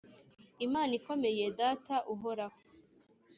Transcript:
Imana ikomeye Data uhoraho